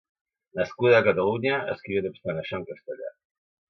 Nascuda a Catalunya, escrivia no obstant això en castellà.